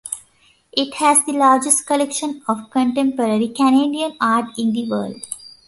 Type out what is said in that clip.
It has the largest collection of contemporary Canadian art in the world.